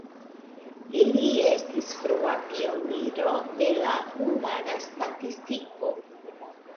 Li estis frua pioniro de la hungara statistiko.